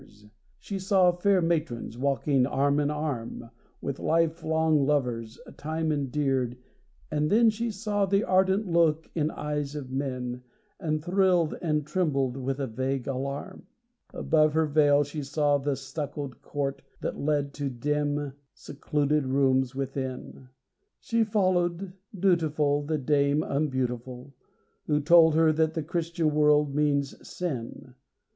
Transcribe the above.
She saw fair matrons, walking arm in arm With life long lovers, time endeared, and then She saw the ardent look in eyes of men, And thrilled and trembled with a vague alarm. Above her veil she saw the stuccoed court That led to dim secluded rooms within. She followed, dutiful, the dame unbeautiful, Who told her that the Christian world means sin.